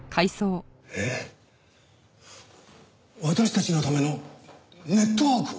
えっ？私たちのためのネットワークを？